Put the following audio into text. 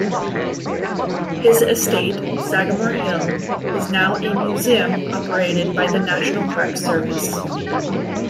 His estate, Sagamore Hill, is now a museum operated by the National Park Service.